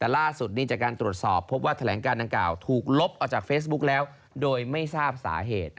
แต่ล่าสุดนี้จากการตรวจสอบพบว่าแถลงการดังกล่าวถูกลบออกจากเฟซบุ๊กแล้วโดยไม่ทราบสาเหตุ